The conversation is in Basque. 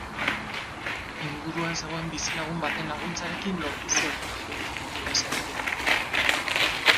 Inguruan zegoen bizilagun baten laguntzarekin lortu zuen emakumeak ihes egitea.